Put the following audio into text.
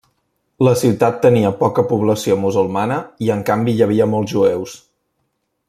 La ciutat tenia poca població musulmana i en canvi hi havia molts jueus.